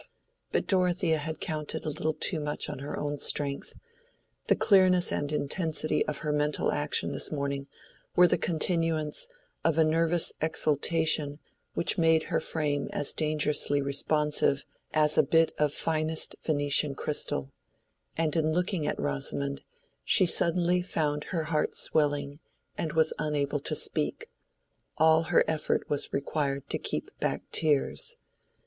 But Dorothea had counted a little too much on her own strength: the clearness and intensity of her mental action this morning were the continuance of a nervous exaltation which made her frame as dangerously responsive as a bit of finest Venetian crystal; and in looking at Rosamond, she suddenly found her heart swelling, and was unable to speak—all her effort was required to keep back tears.